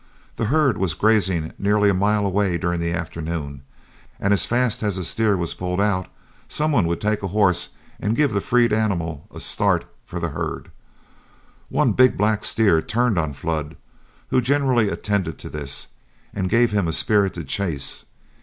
The herd was grazing nearly a mile away during the afternoon, and as fast as a steer was pulled out, some one would take a horse and give the freed animal a start for the herd. One big black steer turned on Flood, who generally attended to this, and gave him a spirited chase.